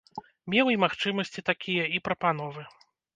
Меў і магчымасці такія, і прапановы.